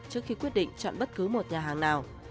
trước khi quyết định chọn bất cứ một nhà hàng nào